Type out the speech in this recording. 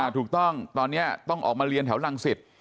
ถูกต้องตอนนี้ต้องออกมาเรียนแถวรังสิต